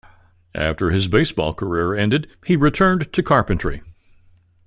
After his baseball career ended, he returned to carpentry.